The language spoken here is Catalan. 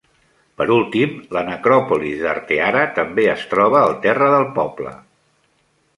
Per últim, la necròpolis d'Arteara també es troba al terra del poble.